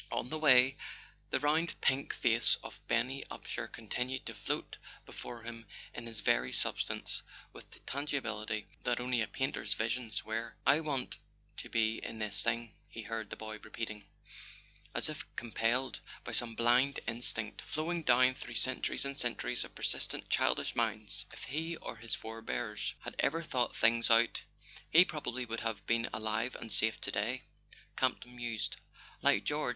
On the way the round pink face of Benny Upsher continued to float before him in its very substance, with the tangibility that only a painter's visions wear. "I want to be in this thing," he heard the boy repeat¬ ing, as if impelled by some blind instinct flowing down through centuries and centuries of persistent childish minds. "If he or his forebears had ever thought things out he probably would have been alive and safe to day," Campton mused, "like George.